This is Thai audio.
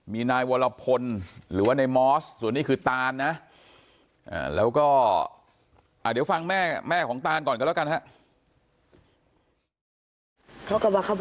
มีนายวรพลหรือว่าในมอสส่วนนี้คือตานนะแล้วก็เดี๋ยวฟังแม่แม่ของตานก่อนกันแล้วกันครับ